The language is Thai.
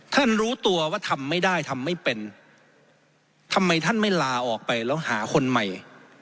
รู้ตัวว่าทำไม่ได้ทำไม่เป็นทำไมท่านไม่ลาออกไปแล้วหาคนใหม่